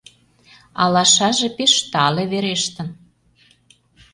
Алашаже пеш тале верештын.